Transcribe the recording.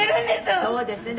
「そうですね。